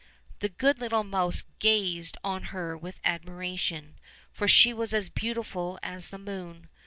The good little mouse gazed on her with admiration, for she was as beautiful as the moon.